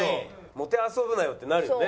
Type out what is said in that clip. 「もてあそぶなよ」ってなるよね。